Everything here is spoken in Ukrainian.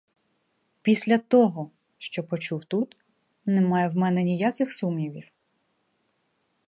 Після того, що почув тут, нема в мене ніяких сумнівів.